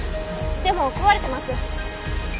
でも壊れてます。